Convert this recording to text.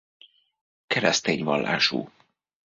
Keresztény vallású.